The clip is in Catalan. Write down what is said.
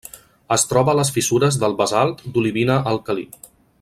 Es troba a les fissures del basalt d'olivina alcalí.